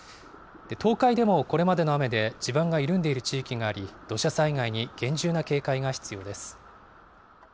東海でもこれまでの雨で地盤が緩んでいる地域があり、土砂災害に厳重な警戒が必要です。